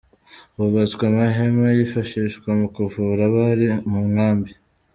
Hubatswe amahema yifashishwa mu kuvura abari mu nkambi.